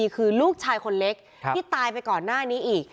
คือลูกชายคนเล็กที่ตายไปก่อนหน้านี้อีก